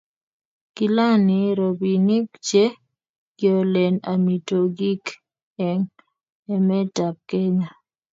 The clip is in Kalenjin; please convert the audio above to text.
kilany robinik che kiolen amitwogik eng' emetab Kenya